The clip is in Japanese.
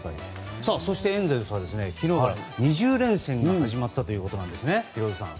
そして、エンゼルスは昨日から２０連戦が始まったということですね、ヒロドさん。